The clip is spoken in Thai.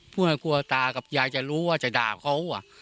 พ่อแม่กลัวตากับยายจะรู้ว่าจะด่าเขาอะ